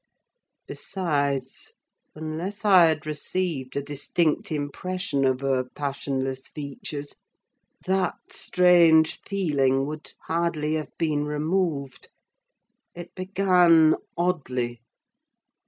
Besides, unless I had received a distinct impression of her passionless features, that strange feeling would hardly have been removed. It began oddly.